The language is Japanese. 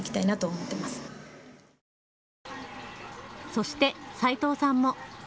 そして斉藤さんも。